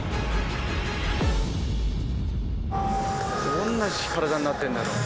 どんな体になってるんだろう？